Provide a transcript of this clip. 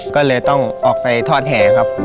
ก็เลยต้องออกไปทอดแห